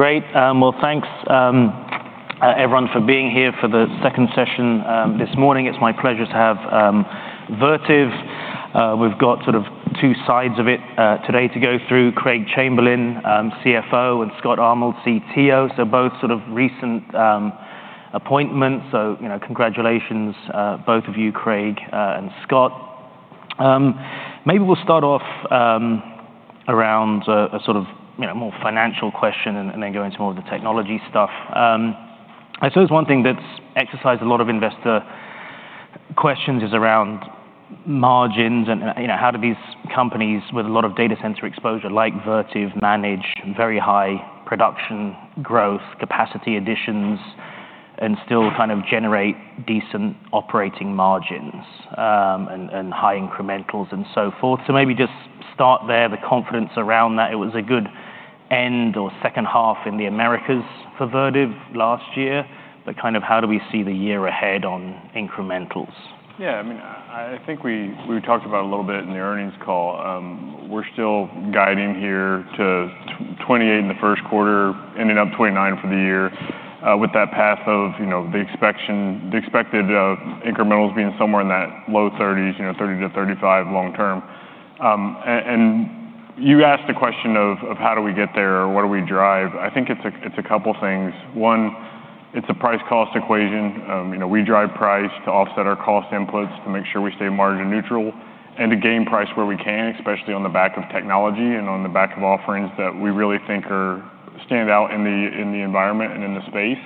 Great. Well, thanks, everyone for being here for the second session this morning. It's my pleasure to have Vertiv. We've got sort of two sides of it today to go through. Craig Chamberlin, CFO, and Scott Armul, CTO. So both sort of recent appointments. So, you know, congratulations both of you, Craig, and Scott. Maybe we'll start off around a sort of, you know, more financial question and then go into more of the technology stuff. I suppose one thing that's exercised a lot of investor questions is around margins and, you know, how do these companies with a lot of data center exposure, like Vertiv, manage very high production growth, capacity additions, and still kind of generate decent operating margins, and high incrementals and so forth? So maybe just start there, the confidence around that. It was a good end or second half in the Americas for Vertiv last year, but kind of how do we see the year ahead on incrementals? Yeah, I mean, I think we talked about it a little bit in the earnings call. We're still guiding here to 28 in the Q1, ending up 29 for the year, with that path of, you know, the expected incrementals being somewhere in that low thirties, you know, 30-35 long term. And you asked the question of how do we get there, or what do we drive? I think it's a couple things. One, it's a price-cost equation. You know, we drive price to offset our cost inputs to make sure we stay margin neutral, and to gain price where we can, especially on the back of technology and on the back of offerings that we really think are stand out in the environment and in the space.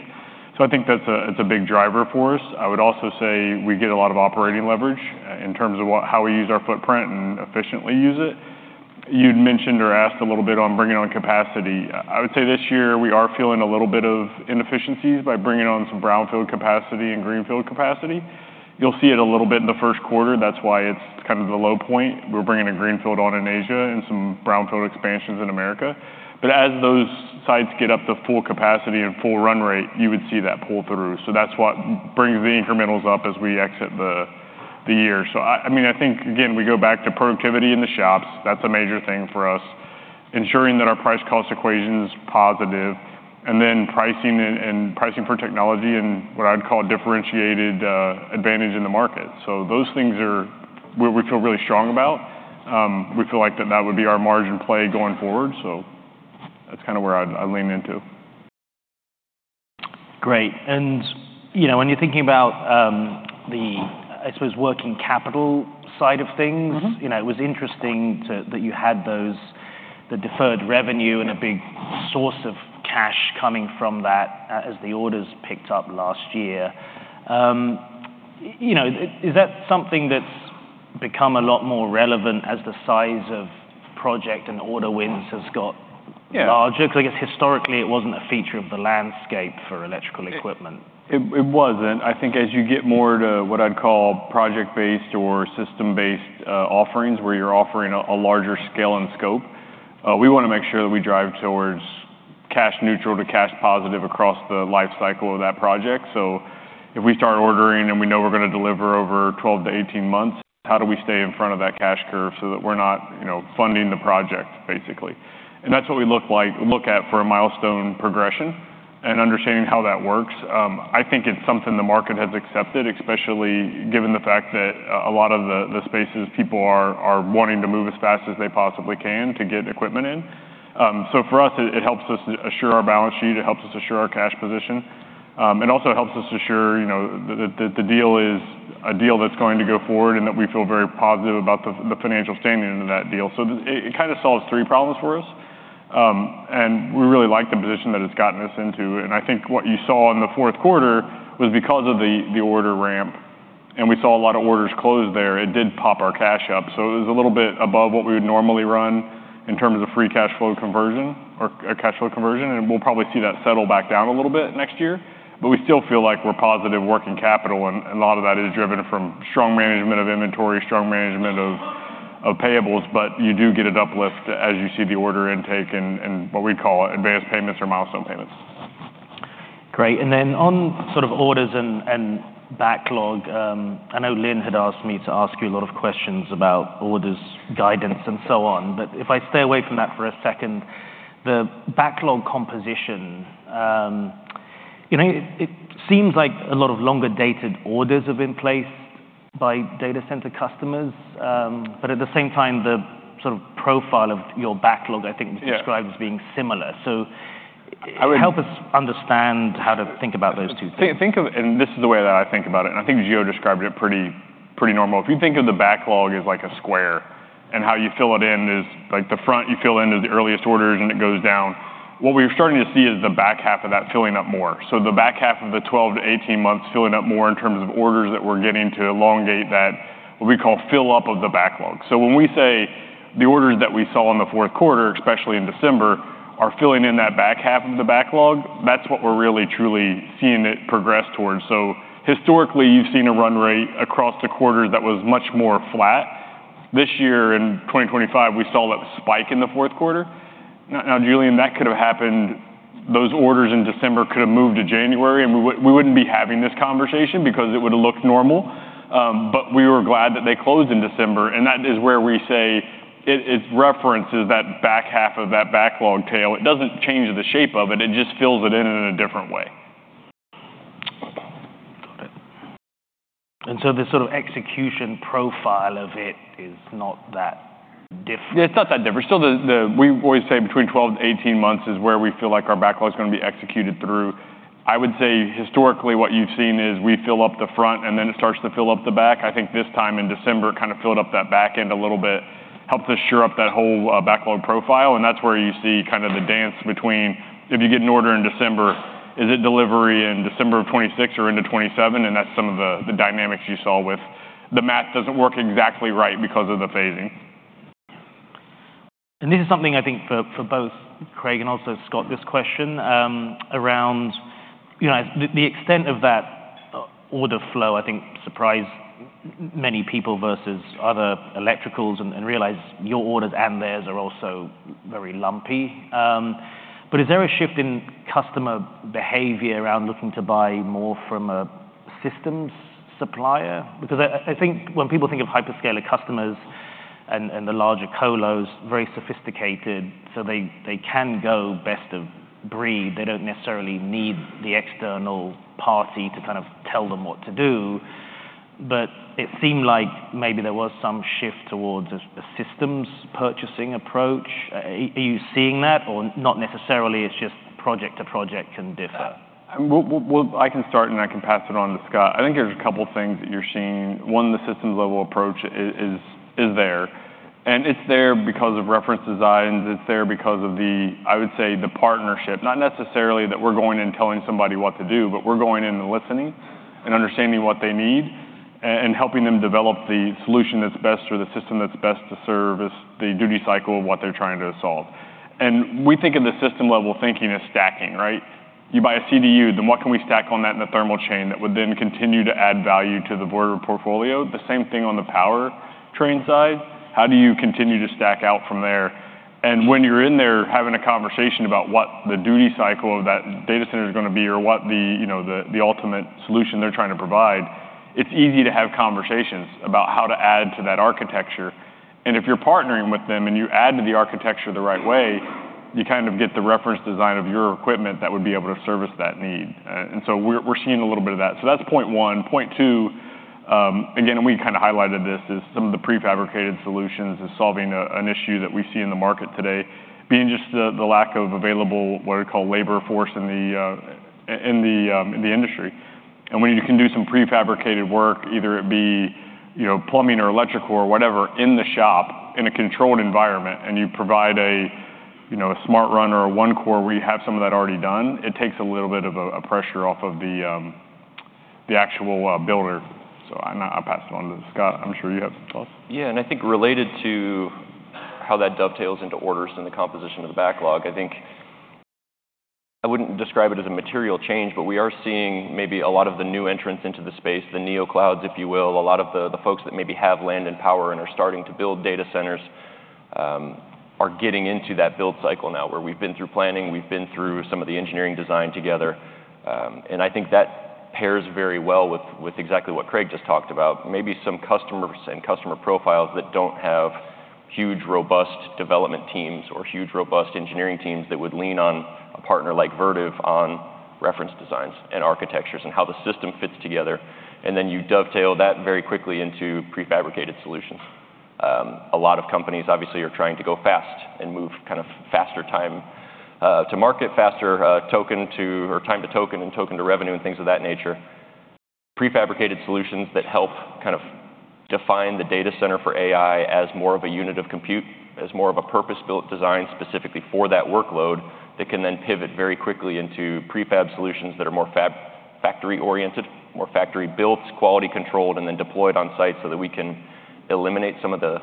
So I think that's a, it's a big driver for us. I would also say we get a lot of operating leverage in terms of how we use our footprint and efficiently use it. You'd mentioned or asked a little bit on bringing on capacity. I would say this year we are feeling a little bit of inefficiencies by bringing on some brownfield capacity and greenfield capacity. You'll see it a little bit in the Q1. That's why it's kind of the low point. We're bringing a greenfield on in Asia and some brownfield expansions in America. But as those sites get up to full capacity and full run rate, you would see that pull through. So that's what brings the incrementals up as we exit the year. So I mean, I think, again, we go back to productivity in the shops. That's a major thing for us. Ensuring that our price-cost equation is positive, and then pricing and pricing for technology and what I'd call differentiated advantage in the market. So those things are where we feel really strong about. We feel like that would be our margin play going forward, so that's kind of where I'd lean into. Great. And, you know, when you're thinking about the, I suppose, working capital side of things- You know, it was interesting to... that you had those, the deferred revenue and a big source of cash coming from that, as the orders picked up last year. You know, is that something that's become a lot more relevant as the size of project and order wins has got- Yeah... larger? Because I guess historically, it wasn't a feature of the landscape for electrical equipment. It was, and I think as you get more to what I'd call project-based or system-based offerings, where you're offering a larger scale and scope, we want to make sure that we drive towards cash neutral to cash positive across the life cycle of that project. So if we start ordering and we know we're going to deliver over 12-18 months, how do we stay in front of that cash curve so that we're not, you know, funding the project, basically? And that's what we look at for a milestone progression and understanding how that works. I think it's something the market has accepted, especially given the fact that a lot of the spaces people are wanting to move as fast as they possibly can to get equipment in. So for us, it, it helps us assure our balance sheet, it helps us assure our cash position. It also helps us assure, you know, that, that, the deal is a deal that's going to go forward, and that we feel very positive about the, the financial standing of that deal. So it, it kind of solves three problems for us, and we really like the position that it's gotten us into. And I think what you saw in the Q4 was because of the, the order ramp, and we saw a lot of orders close there. It did pop our cash up, so it was a little bit above what we would normally run in terms of free cash flow conversion or, or cash flow conversion, and we'll probably see that settle back down a little bit next year. But we still feel like we're positive working capital, and a lot of that is driven from strong management of inventory, strong management of payables, but you do get an uplift as you see the order intake and what we call advanced payments or milestone payments. Great. And then on sort of orders and backlog, I know Lynne had asked me to ask you a lot of questions about orders, guidance, and so on, but if I stay away from that for a second, the backlog composition, you know, it seems like a lot of longer-dated orders have been placed by data center customers. But at the same time, the sort of profile of your backlog, I think- Yeah... you described as being similar. So- I would- Help us understand how to think about those two things. Think of... and this is the way that I think about it, and I think Gio described it pretty, pretty normal. If you think of the backlog as like a square, and how you fill it in is, like, the front you fill in is the earliest orders, and it goes down. What we're starting to see is the back half of that filling up more. So the back half of the 12-18 months filling up more in terms of orders that we're getting to elongate that, what we call fill up of the backlog. So when we say the orders that we saw in the Q4, especially in December, are filling in that back half of the backlog, that's what we're really, truly seeing it progress towards. So historically, you've seen a run rate across the quarter that was much more flat. This year, in 2025, we saw that spike in the Q4. Now, now, Julian, that could have happened, those orders in December could have moved to January, and we wouldn't be having this conversation because it would've looked normal. But we were glad that they closed in December, and that is where we say it, it references that back half of that backlog tail. It doesn't change the shape of it, it just fills it in in a different way. Got it. And so the sort of execution profile of it is not that different? It's not that different. Still, we always say between 12-18 months is where we feel like our backlog's gonna be executed through. I would say historically, what you've seen is we fill up the front, and then it starts to fill up the back. I think this time in December, kind of filled up that back end a little bit, helped us sure up that whole backlog profile, and that's where you see kind of the dance between if you get an order in December, is it delivery in December of 2026 or into 2027? And that's some of the dynamics you saw with the math doesn't work exactly right because of the phasing. And this is something I think for both Craig and also Scott, this question around, you know, the extent of that order flow, I think, surprised many people versus other electricals, and realize your orders and theirs are also very lumpy. But is there a shift in customer behavior around looking to buy more from a systems supplier? Because I think when people think of hyperscaler customers and the larger colos, very sophisticated, so they can go best of breed. They don't necessarily need the external party to kind of tell them what to do, but it seemed like maybe there was some shift towards a systems purchasing approach. Are you seeing that, or not necessarily, it's just project to project can differ? We'll... I can start, and I can pass it on to Scott. I think there's a couple things that you're seeing. One, the systems-level approach is there, and it's there because of reference designs, it's there because of the, I would say, the partnership. Not necessarily that we're going and telling somebody what to do, but we're going in and listening and understanding what they need and helping them develop the solution that's best or the system that's best to service the duty cycle of what they're trying to solve. And we think of the system-level thinking as stacking, right? You buy a CDU, then what can we stack on that in the thermal chain that would then continue to add value to the broader portfolio? The same thing on the powertrain side. How do you continue to stack out from there? When you're in there having a conversation about what the duty cycle of that data center is gonna be or what the, you know, the, the ultimate solution they're trying to provide, it's easy to have conversations about how to add to that architecture. If you're partnering with them, and you add to the architecture the right way, you kind of get the reference design of your equipment that would be able to service that need. You know, we're seeing a little bit of that. That's point one. Point two, again, and we kind of highlighted this, is some of the prefabricated solutions is solving a, an issue that we see in the market today, being just the, the lack of available, what I call labor force in the, in the, in the industry. When you can do some prefabricated work, either it be, you know, plumbing or electrical or whatever, in the shop, in a controlled environment, and you provide a, you know, a SmartRow or a OneCore where you have some of that already done, it takes a little bit of a, a pressure off of the, the actual builder. So I'm gonna pass it on to Scott. I'm sure you have some thoughts. Yeah, and I think related to how that dovetails into orders and the composition of the backlog, I think I wouldn't describe it as a material change, but we are seeing maybe a lot of the new entrants into the space, the neoclouds, if you will. A lot of the folks that maybe have land and power and are starting to build data centers, are getting into that build cycle now, where we've been through planning, we've been through some of the engineering design together, and I think that pairs very well with exactly what Craig just talked about. Maybe some customers and customer profiles that don't have huge, robust development teams or huge, robust engineering teams that would lean on a partner like Vertiv on reference designs and architectures and how the system fits together, and then you dovetail that very quickly into prefabricated solutions. A lot of companies, obviously, are trying to go fast and move kind of faster time to market, faster token to or time to token and token to revenue, and things of that nature. Prefabricated solutions that help kind of define the data center for AI as more of a unit of compute, as more of a purpose-built design specifically for that workload, that can then pivot very quickly into prefab solutions that are more factory-oriented, more factory-built, quality controlled, and then deployed on site so that we can eliminate some of the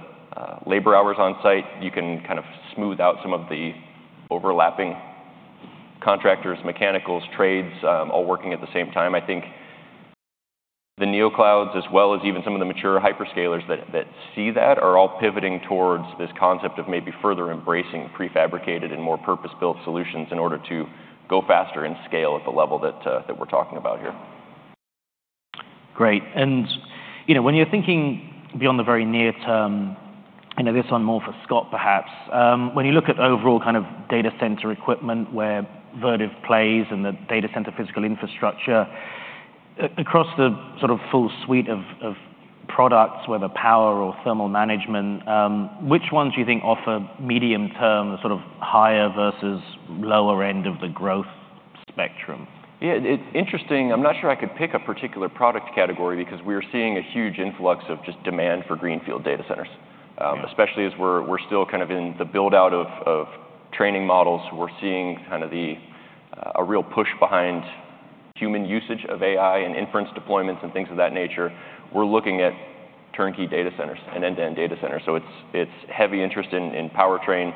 labor hours on site. You can kind of smooth out some of the overlapping contractors, mechanicals, trades, all working at the same time. I think the Neo-clouds, as well as even some of the mature hyperscalers that, that see that, are all pivoting toward this concept of maybe further embracing prefabricated and more purpose-built solutions in order to go faster and scale at the level that, that we're talking about here. Great. And, you know, when you're thinking beyond the very near term, I know this one more for Scott, perhaps. When you look at overall kind of data center equipment, where Vertiv plays and the data center physical infrastructure, across the sort of full suite of, of products, whether power or thermal management, which ones do you think offer medium-term, sort of higher versus lower end of the growth spectrum? Yeah, it's interesting. I'm not sure I could pick a particular product category because we're seeing a huge influx of just demand for greenfield data centers- ... especially as we're still kind of in the build-out of training models. We're seeing kind of a real push behind human usage of AI and inference deployments and things of that nature. We're looking at turnkey data centers and end-to-end data centers, so it's heavy interest in powertrain.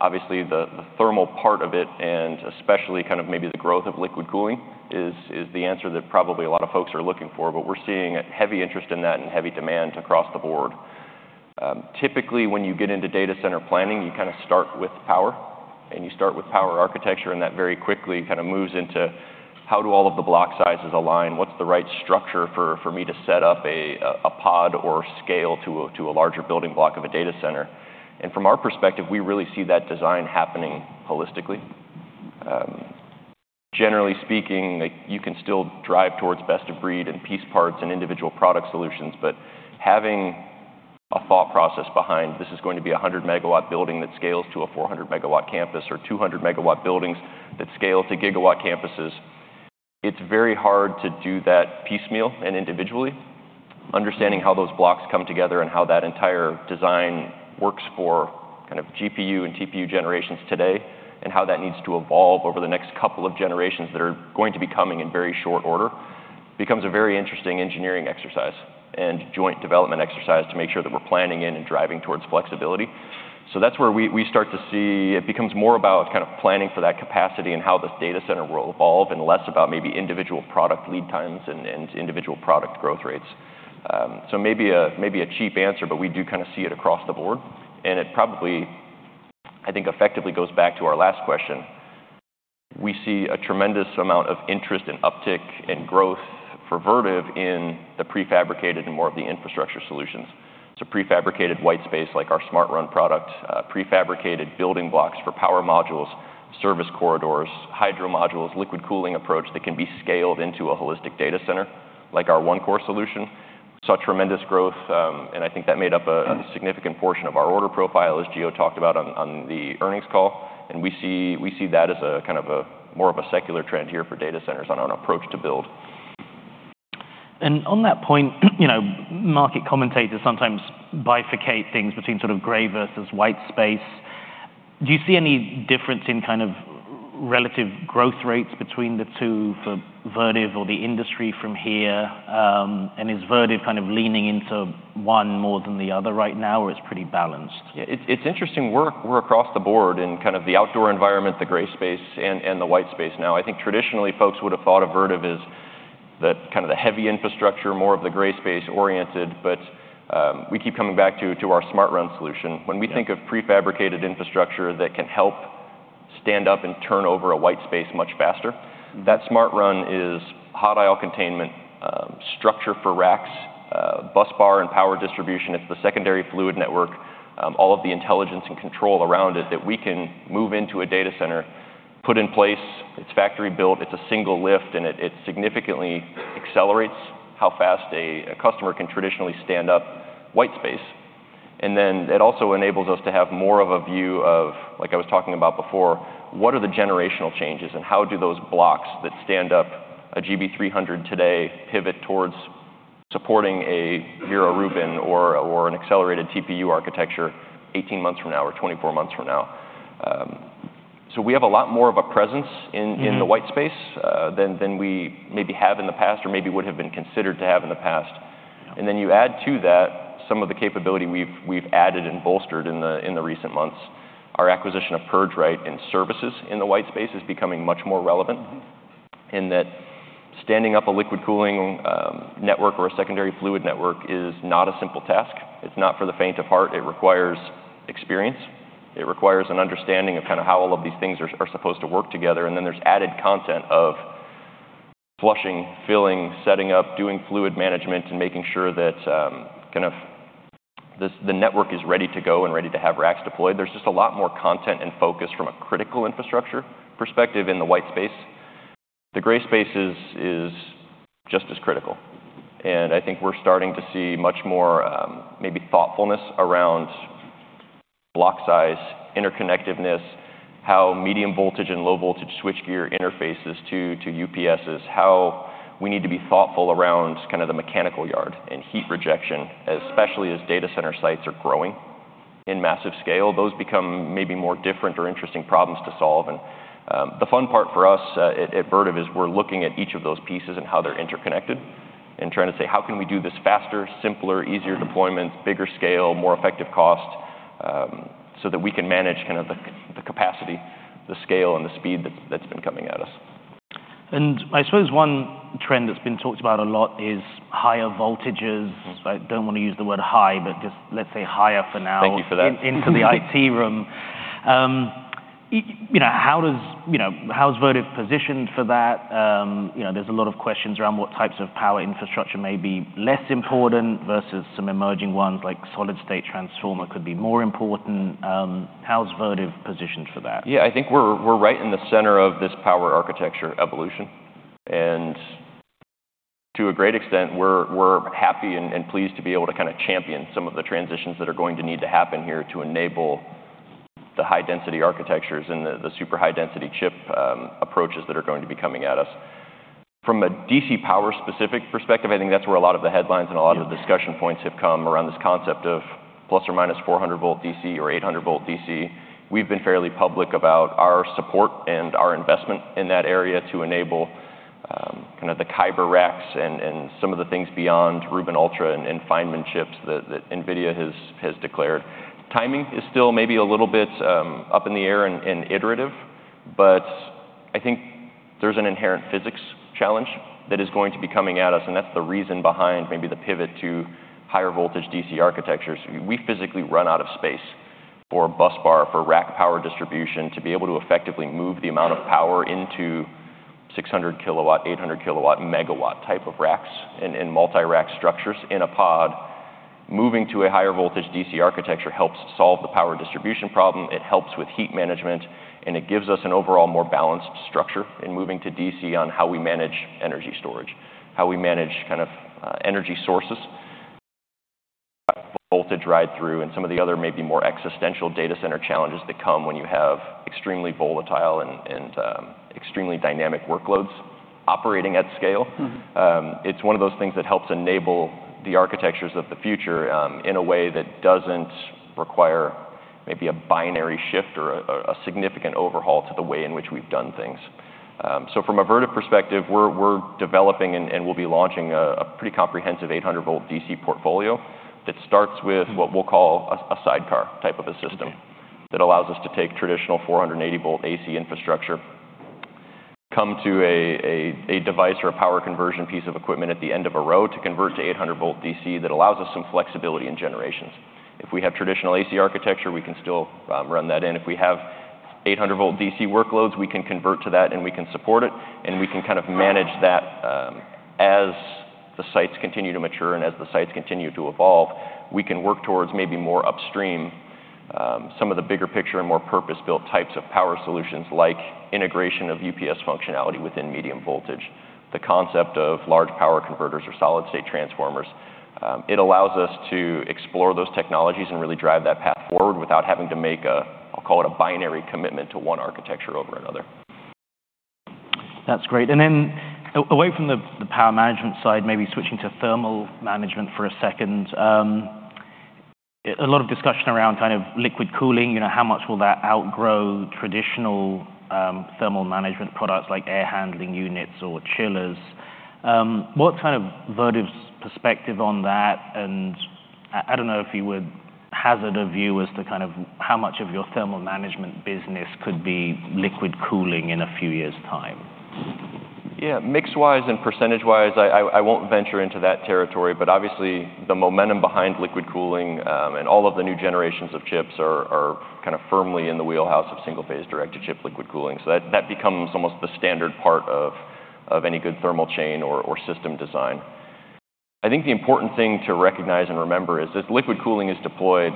Obviously, the thermal part of it, and especially kind of maybe the growth of liquid cooling, is the answer that probably a lot of folks are looking for. But we're seeing a heavy interest in that and heavy demand across the board.... Typically when you get into data center planning, you kind of start with power, and you start with power architecture, and that very quickly kind of moves into how do all of the block sizes align? What's the right structure for me to set up a pod or scale to a larger building block of a data center? From our perspective, we really see that design happening holistically. Generally speaking, like, you can still drive towards best of breed and piece parts and individual product solutions, but having a thought process behind, this is going to be a 100-megawatt building that scales to a 400-megawatt campus, or 200-megawatt buildings that scale to gigawatt campuses, it's very hard to do that piecemeal and individually. Understanding how those blocks come together and how that entire design works for kind of GPU and TPU generations today, and how that needs to evolve over the next couple of generations that are going to be coming in very short order, becomes a very interesting engineering exercise and joint development exercise to make sure that we're planning in and driving towards flexibility. So that's where we, we start to see... It becomes more about kind of planning for that capacity and how this data center will evolve, and less about maybe individual product lead times and, and individual product growth rates. So maybe a, maybe a cheap answer, but we do kind of see it across the board, and it probably, I think, effectively goes back to our last question. We see a tremendous amount of interest and uptick in growth for Vertiv in the prefabricated and more of the infrastructure solutions. So prefabricated white space, like our SmartRow product, prefabricated building blocks for power modules, service corridors, hydro modules, liquid cooling approach that can be scaled into a holistic data center, like our OneCore solution. Saw tremendous growth, and I think that made up a significant portion of our order profile, as Gio talked about on the earnings call, and we see, we see that as a kind of a more of a secular trend here for data centers on an approach to build. On that point, you know, market commentators sometimes bifurcate things between sort of gray space versus white space. Do you see any difference in kind of relative growth rates between the two for Vertiv or the industry from here? And is Vertiv kind of leaning into one more than the other right now, or it's pretty balanced? Yeah, it's, it's interesting. We're, we're across the board in kind of the outdoor environment, the gray space and, and the white space now. I think traditionally, folks would have thought of Vertiv as the kind of the heavy infrastructure, more of the gray space-oriented, but we keep coming back to, to our SmartRow solution. Yeah. When we think of prefabricated infrastructure that can help stand up and turn over a white space much faster, that SmartRow is hot aisle containment, structure for racks, busbar and power distribution. It's the secondary fluid network, all of the intelligence and control around it that we can move into a data center, put in place. It's factory built, it's a single lift, and it, it significantly accelerates how fast a, a customer can traditionally stand up white space. And then it also enables us to have more of a view of, like I was talking about before, what are the generational changes, and how do those blocks that stand up a GB300 today pivot towards supporting a Vera Rubin or, or an accelerated TPU architecture 18 months from now or 24 months from now? So we have a lot more of a presence in-... in the white space, than we maybe have in the past or maybe would have been considered to have in the past. And then you add to that, some of the capability we've added and bolstered in the recent months. Our acquisition of PurgeRite and services in the white space is becoming much more relevant, in that standing up a liquid cooling network or a secondary fluid network is not a simple task. It's not for the faint of heart. It requires experience. It requires an understanding of kind of how all of these things are supposed to work together, and then there's added content of flushing, filling, setting up, doing fluid management, and making sure that kind of the network is ready to go and ready to have racks deployed. There's just a lot more content and focus from a critical infrastructure perspective in the white space. The gray space is just as critical, and I think we're starting to see much more, maybe thoughtfulness around block size, interconnectiveness, how medium voltage and low voltage switchgear interfaces to UPSs, how we need to be thoughtful around kind of the mechanical yard and heat rejection, especially as data center sites are growing in massive scale. Those become maybe more different or interesting problems to solve. The fun part for us at Vertiv is we're looking at each of those pieces and how they're interconnected, and trying to say: How can we do this faster, simpler, easier deployment, bigger scale, more effective cost, so that we can manage kind of the capacity, the scale, and the speed that's been coming at us? I suppose one trend that's been talked about a lot is higher voltages. I don't want to use the word high, but just let's say higher for now- Thank you for that. Into the IT room. You know, how does... You know, how is Vertiv positioned for that? You know, there's a lot of questions around what types of power infrastructure may be less important versus some emerging ones, like solid-state transformer could be more important. How is Vertiv positioned for that? Yeah, I think we're right in the center of this power architecture evolution, and to a great extent, we're happy and pleased to be able to kind of champion some of the transitions that are going to need to happen here to enable the high-density architectures and the super high-density chip approaches that are going to be coming at us. From a DC power specific perspective, I think that's where a lot of the headlines- Yeah and a lot of the discussion points have come around this concept of ±400-volt DC or 800-volt DC. We've been fairly public about our support and our investment in that area to enable kind of the Kyber racks and some of the things beyond Rubin Ultra and Feynman chips that NVIDIA has declared. Timing is still maybe a little bit up in the air and iterative, but I think there's an inherent physics challenge that is going to be coming at us, and that's the reason behind maybe the pivot to higher voltage DC architectures. We physically run out of space for a busbar, for rack power distribution, to be able to effectively move the amount of power into 600-kilowatt, 800-kilowatt, megawatt-type racks and multi-rack structures in a pod. Moving to a higher voltage DC architecture helps solve the power distribution problem, it helps with heat management, and it gives us an overall more balanced structure in moving to DC on how we manage energy storage, how we manage kind of energy sources, voltage ride-through, and some of the other maybe more existential data center challenges that come when you have extremely volatile and extremely dynamic workloads operating at scale. It's one of those things that helps enable the architectures of the future, in a way that doesn't require maybe a binary shift or a significant overhaul to the way in which we've done things. So from a Vertiv perspective, we're developing and we'll be launching a pretty comprehensive 800-volt DC portfolio that starts with-... what we'll call a sidecar type of a system- That allows us to take traditional 480-volt AC infrastructure, come to a device or a power conversion piece of equipment at the end of a row to convert to 800-volt DC that allows us some flexibility in generations. If we have traditional AC architecture, we can still run that in. If we have 800-volt DC workloads, we can convert to that, and we can support it, and we can kind of manage that, as the sites continue to mature and as the sites continue to evolve, we can work towards maybe more upstream, some of the bigger picture and more purpose-built types of power solutions, like integration of UPS functionality within medium voltage, the concept of large power converters or solid-state transformers. It allows us to explore those technologies and really drive that path forward without having to make a, I'll call it a binary commitment to one architecture over another. That's great. And then away from the power management side, maybe switching to thermal management for a second. A lot of discussion around kind of liquid cooling, you know, how much will that outgrow traditional thermal management products like air handling units or chillers. What kind of Vertiv's perspective on that? And I don't know if you would hazard a view as to kind of how much of your thermal management business could be liquid cooling in a few years' time. Yeah, mix-wise and percentage-wise, I won't venture into that territory, but obviously, the momentum behind liquid cooling and all of the new generations of chips are kind of firmly in the wheelhouse of single-phase, direct-to-chip liquid cooling. So that becomes almost the standard part of any good thermal chain or system design. I think the important thing to recognize and remember is, if liquid cooling is deployed,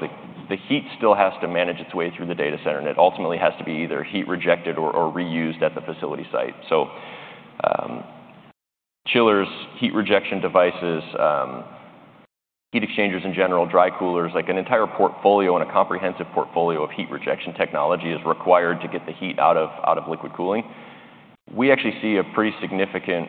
the heat still has to manage its way through the data center, and it ultimately has to be either heat rejected or reused at the facility site. So, chillers, heat rejection devices, heat exchangers in general, dry coolers, like an entire portfolio and a comprehensive portfolio of heat rejection technology is required to get the heat out of liquid cooling. We actually see a pretty significant,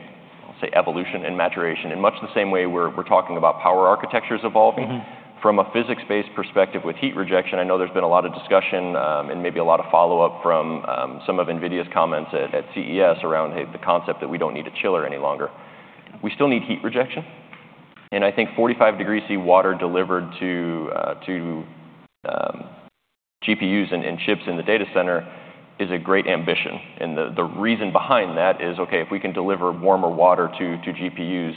say, evolution and maturation in much the same way we're talking about power architectures evolving. From a physics-based perspective with heat rejection, I know there's been a lot of discussion and maybe a lot of follow-up from some of NVIDIA's comments at CES around, hey, the concept that we don't need a chiller any longer. We still need heat rejection, and I think 45 degrees Celsius water delivered to GPUs and chips in the data center is a great ambition. And the reason behind that is, okay, if we can deliver warmer water to GPUs,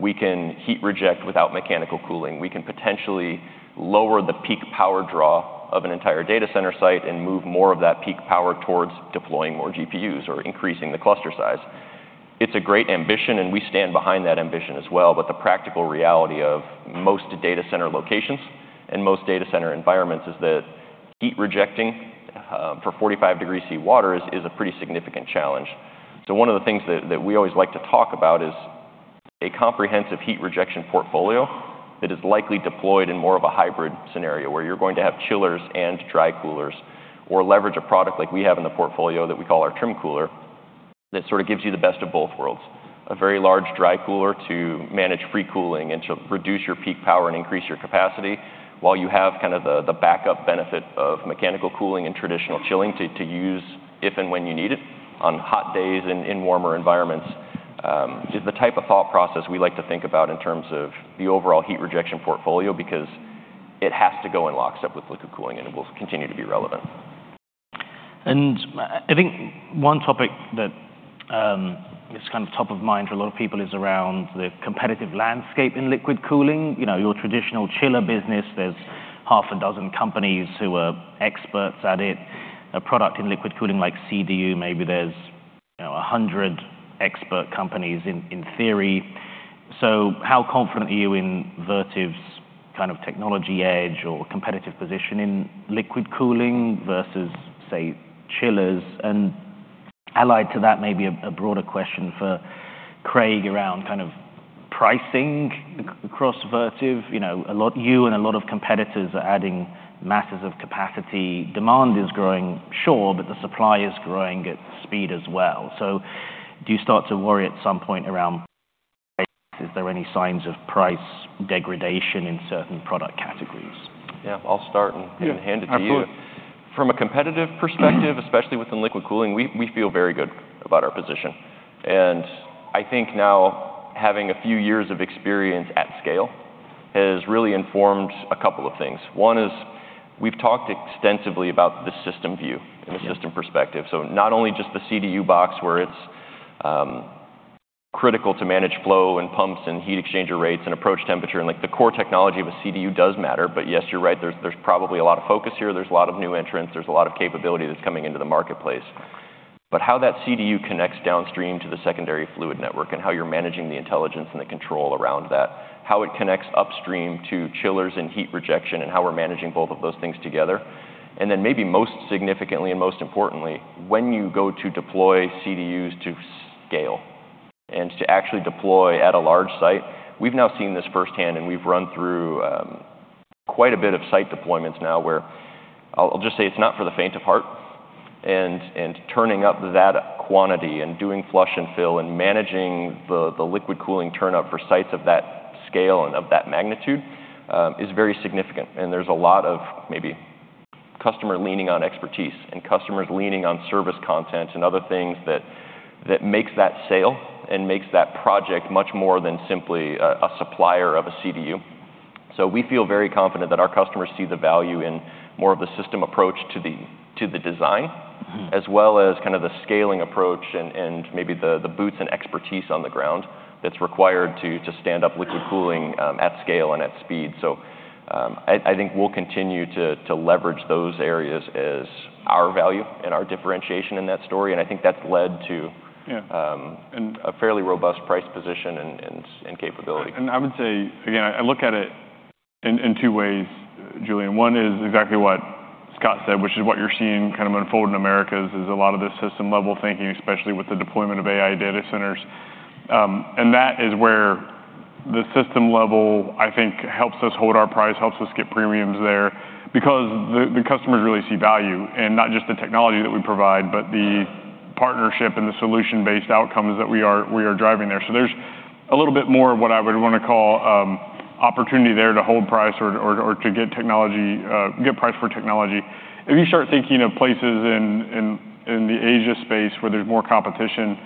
we can heat reject without mechanical cooling. We can potentially lower the peak power draw of an entire data center site and move more of that peak power towards deploying more GPUs or increasing the cluster size. It's a great ambition, and we stand behind that ambition as well. But the practical reality of most data center locations and most data center environments is that heat rejecting for 45 degrees Celsius water is a pretty significant challenge. So one of the things that we always like to talk about is a comprehensive heat rejection portfolio that is likely deployed in more of a hybrid scenario, where you're going to have chillers and dry coolers, or leverage a product like we have in the portfolio that we call our Trim Cooler. That sort of gives you the best of both worlds. A very large, dry cooler to manage free cooling and to reduce your peak power and increase your capacity, while you have kind of the backup benefit of mechanical cooling and traditional chilling to use if and when you need it, on hot days in warmer environments. is the type of thought process we like to think about in terms of the overall heat rejection portfolio because it has to go in lockstep with liquid cooling, and it will continue to be relevant. I think one topic that is kind of top of mind for a lot of people is around the competitive landscape in liquid cooling. You know, your traditional chiller business, there's half a dozen companies who are experts at it. A product in liquid cooling like CDU, maybe there's, you know, a hundred expert companies in theory. So how confident are you in Vertiv's kind of technology edge or competitive position in liquid cooling versus, say, chillers? And allied to that, maybe a broader question for Craig around kind of pricing across Vertiv. You know, you and a lot of competitors are adding masses of capacity. Demand is growing, sure, but the supply is growing at speed as well. So do you start to worry at some point around? Is there any signs of price degradation in certain product categories? Yeah, I'll start and- Yeah... hand it to you. Absolutely. From a competitive perspective, especially within liquid cooling, we feel very good about our position, and I think now, having a few years of experience at scale has really informed a couple of things. One is, we've talked extensively about the system view- Yeah. And the system perspective. So not only just the CDU box, where it's critical to manage flow and pumps and heat exchanger rates and approach temperature, and, like, the core technology of a CDU does matter. But yes, you're right, there's, there's probably a lot of focus here. There's a lot of new entrants. There's a lot of capability that's coming into the marketplace. But how that CDU connects downstream to the secondary fluid network, and how you're managing the intelligence and the control around that, how it connects upstream to chillers and heat rejection, and how we're managing both of those things together. And then maybe most significantly, and most importantly, when you go to deploy CDUs to scale and to actually deploy at a large site, we've now seen this firsthand, and we've run through quite a bit of site deployments now, where I'll, I'll just say it's not for the faint of heart. And turning up that quantity and doing flush and fill, and managing the liquid cooling turn up for sites of that scale and of that magnitude is very significant. And there's a lot of maybe customer leaning on expertise and customers leaning on service content and other things that makes that sale and makes that project much more than simply a supplier of a CDU. So we feel very confident that our customers see the value in more of a system approach to the design- -as well as kind of the scaling approach and maybe the boots and expertise on the ground that's required to stand up liquid cooling at scale and at speed. So, I think we'll continue to leverage those areas as our value and our differentiation in that story, and I think that's led to- Yeah. a fairly robust price position and capability. I would say, again, I look at it in two ways, Julian. One is exactly what Scott said, which is what you're seeing kind of unfold in Americas, is a lot of this system-level thinking, especially with the deployment of AI data centers. And that is where the system level, I think, helps us hold our price, helps us get premiums there, because the customers really see value, and not just the technology that we provide, but the partnership and the solution-based outcomes that we are driving there. So there's a little bit more of what I would want to call opportunity there to hold price or to get technology, get price for technology. If you start thinking of places in the Asia space, where there's more competition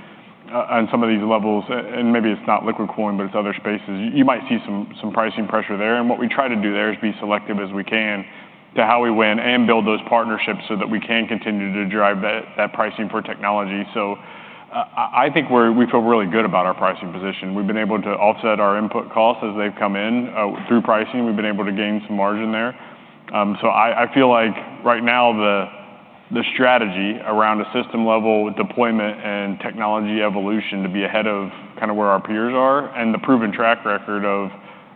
on some of these levels, and maybe it's not liquid cooling, but it's other spaces, you might see some pricing pressure there. And what we try to do there is be selective as we can to how we win and build those partnerships so that we can continue to drive that pricing for technology. So, I think we feel really good about our pricing position. We've been able to offset our input costs as they've come in through pricing. We've been able to gain some margin there. So, I feel like right now, the strategy around a system-level deployment and technology evolution to be ahead of kind of where our peers are, and the proven track record of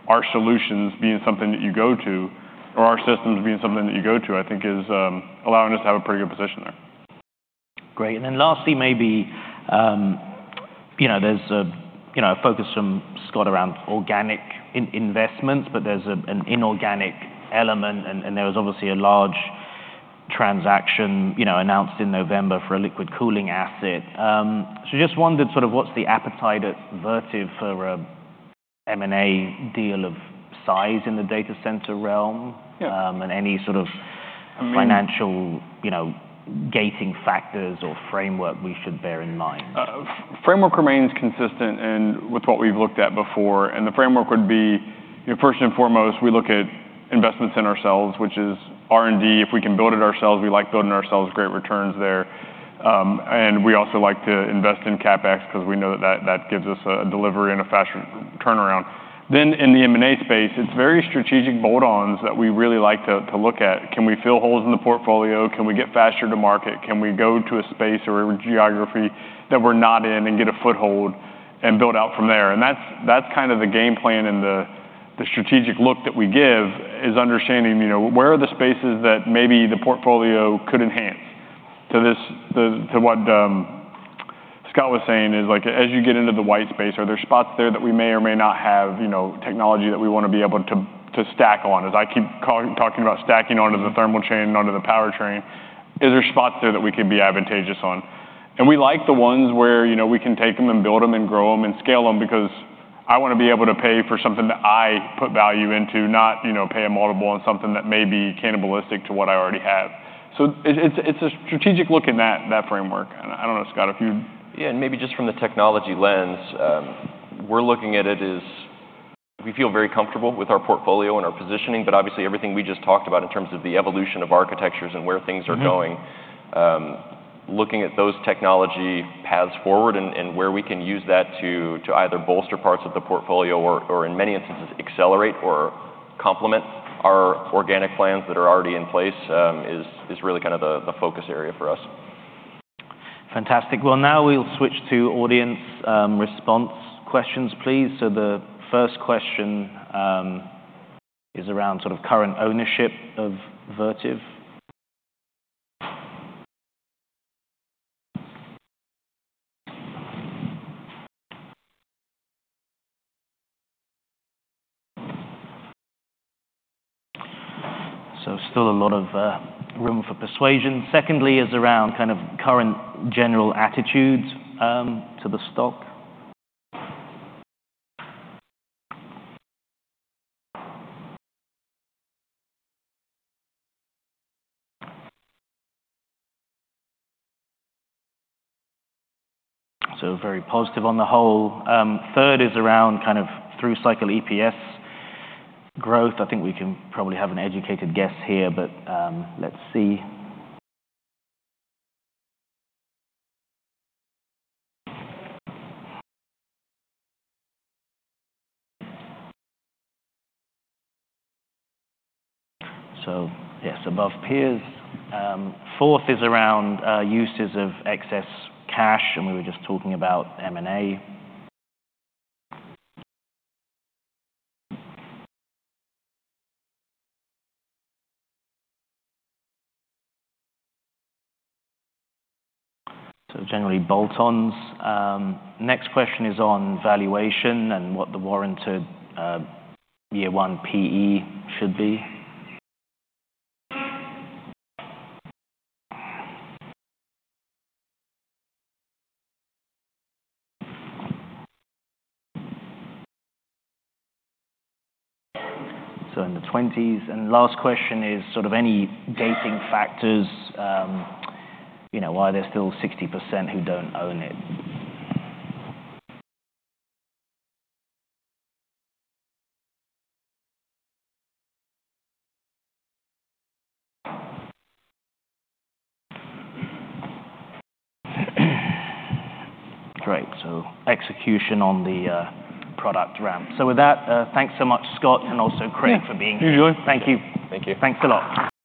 our solutions being something that you go to, or our systems being something that you go to, I think, is allowing us to have a pretty good position there. Great. And then lastly, maybe, you know, a focus from Scott around organic investments, but there's an inorganic element, and there was obviously a large transaction, you know, announced in November for a liquid cooling asset. So just wondered, sort of what's the appetite at Vertiv for a M&A deal of size in the data center realm? Yeah. And any sort of- I mean- financial, you know, gating factors or framework we should bear in mind? Framework remains consistent and with what we've looked at before, and the framework would be, you know, first and foremost, we look at investments in ourselves, which is R&D. If we can build it ourselves, we like building ourselves, great returns there. And we also like to invest in CapEx because we know that that gives us a delivery and a faster turnaround. Then in the M&A space, it's very strategic add-ons that we really like to look at. Can we fill holes in the portfolio? Can we get faster to market? Can we go to a space or a geography that we're not in and get a foothold and build out from there? And that's kind of the game plan and the strategic look that we give, is understanding, you know, where are the spaces that maybe the portfolio could enhance? To this—to what Scott was saying, like, as you get into the white space, are there spots there that we may or may not have, you know, technology that we want to be able to stack on? As I keep calling—talking about stacking onto the thermal chain and onto the powertrain, are there spots there that we could be advantageous on? And we like the ones where, you know, we can take them and build them and grow them and scale them because I want to be able to pay for something that I put value into, not, you know, pay a multiple on something that may be cannibalistic to what I already have. So it's a strategic look in that framework. And I don't know, Scott, if you- Yeah, and maybe just from the technology lens, we're looking at it as... We feel very comfortable with our portfolio and our positioning, but obviously, everything we just talked about in terms of the evolution of architectures and where things are going- Looking at those technology paths forward and where we can use that to either bolster parts of the portfolio or, in many instances, accelerate or complement our organic plans that are already in place, is really kind of the focus area for us. Fantastic. Well, now we'll switch to audience response questions, please. So the first question is around sort of current ownership of Vertiv. So still a lot of room for persuasion. Secondly, is around kind of current general attitudes to the stock. So very positive on the whole. Third is around kind of through cycle EPS growth. I think we can probably have an educated guess here, but let's see. So yes, above peers. Fourth is around uses of excess cash, and we were just talking about M&A. So generally, bolt-ons. Next question is on valuation and what the warranted year one PE should be. So in the 20s. And last question is sort of any gating factors, you know, why there's still 60% who don't own it? Great, so execution on the product ramp. With that, thanks so much, Scott, and also Craig, for being here. Thank you, Julian. Thank you. Thank you. Thanks a lot.